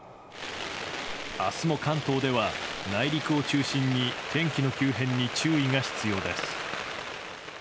明日も関東では内陸を中心に天気の急変に注意が必要です。